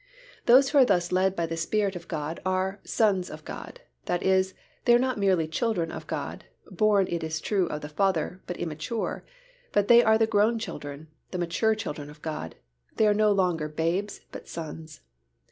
Those who are thus led by the Spirit of God are "sons of God," that is, they are not merely children of God, born it is true of the Father, but immature, but they are the grown children, the mature children of God; they are no longer babes but sons.